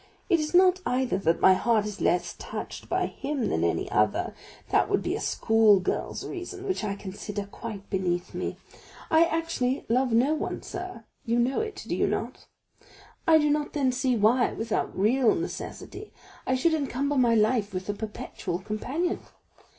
It is not, either, that my heart is less touched by him than any other; that would be a schoolgirl's reason, which I consider quite beneath me. I actually love no one, sir; you know it, do you not? I do not then see why, without real necessity, I should encumber my life with a perpetual companion.